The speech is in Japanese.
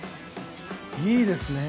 いいですね